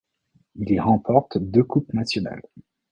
Il y remporte deux coupes nationales.